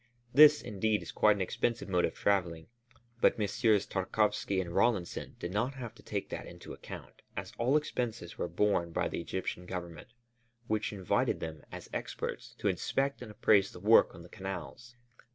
This, indeed, is quite an expensive mode of traveling; but Messrs. Tarkowski and Rawlinson did not have to take that into account as all expenses were borne by the Egyptian Government, which invited them, as experts, to inspect and appraise the work on the canals.